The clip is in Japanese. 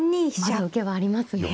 まだ受けはありますね。